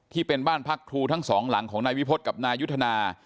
ที่เป็นบ้านพักครูทั้งสองหลังของนายวิพฤษกับนายุทธนา